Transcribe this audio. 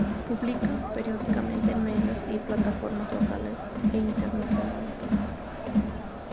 Publica periódicamente en medios y plataformas locales e internacionales.